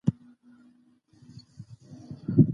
موږ ډېر زیار ایستلی دی.